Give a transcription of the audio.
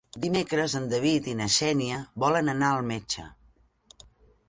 Dimecres en David i na Xènia volen anar al metge.